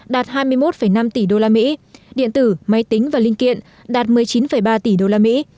đạt hai mươi một năm tỷ đô la mỹ điện tử máy tính và linh kiện đạt một mươi chín ba tỷ đô la mỹ